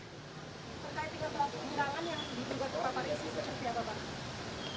perkaitan perlaku pindahan yang dibutuhkan oleh pak parisi seperti apa pak